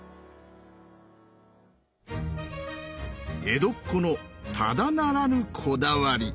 江戸っ子のただならぬこだわり。